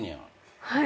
はい。